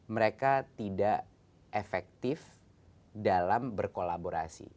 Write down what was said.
mereka tidak efektif dalam berkolaborasi